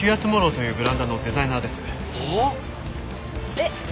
えっ？